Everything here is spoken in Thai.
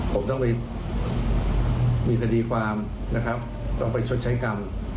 ผมต้องไปมีคดีความนะครับต้องไปชดใช้กรรม